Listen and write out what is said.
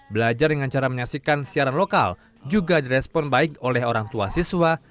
belajar dengan cara menyaksikan siaran lokal juga direspon baik oleh orang tua siswa